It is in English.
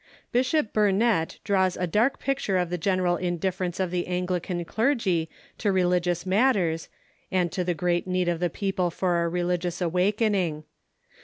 Bishop Burnet draws a dark picture of the general indifference of the Anglican clergy to religious mat ters, and to the great need of the people for a religious awak ening.